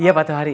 iya pak tuhari